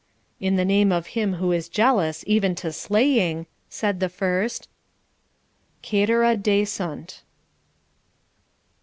'"In the name of Him who is jealous, even to slaying," said the first ' CETERA DESUNT NO.